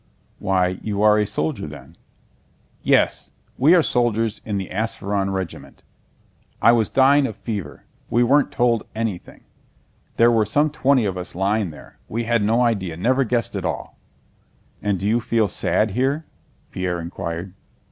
"Why, are you a soldier then?" "Yes, we are soldiers of the Ápsheron regiment. I was dying of fever. We weren't told anything. There were some twenty of us lying there. We had no idea, never guessed at all." "And do you feel sad here?" Pierre inquired.